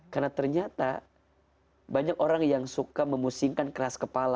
karena ternyata banyak orang yang suka memusingkan keras kepala